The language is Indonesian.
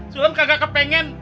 sulam kagak kepengen